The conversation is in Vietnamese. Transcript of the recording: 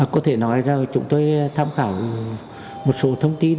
có thể nói là chúng tôi tham khảo một số thông tin